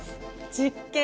実験！